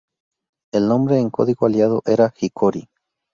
El nombre en código aliado era Hickory.